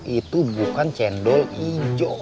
itu bukan cendol ijo